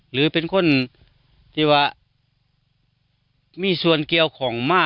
หรือเป็นคนทิ้วะมีส้นเกียวของมา